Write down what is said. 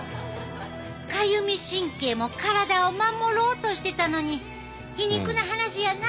かゆみ神経も体を守ろうとしてたのに皮肉な話やな。